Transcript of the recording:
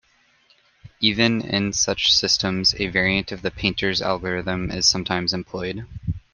Even in such systems, a variant of the painter's algorithm is sometimes employed.